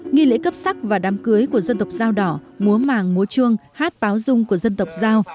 nghi lễ cấp sắc và đám cưới của dân tộc dao đỏ múa màng múa chuông hát báo dung của dân tộc giao